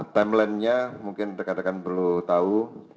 timeline nya mungkin rekan rekan perlu tahu